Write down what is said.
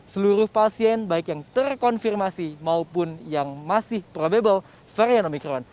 seluruh pasien baik yang terkonfirmasi maupun yang masih probable varian omikron